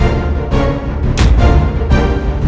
raksasa jatuh pak